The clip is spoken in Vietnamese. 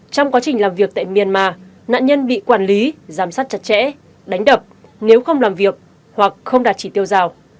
trong quá trình làm việc tại myanmar nạn nhân bị quản lý giám sát chặt chẽ đánh đập nếu không làm việc hoặc không đạt chỉ tiêu rào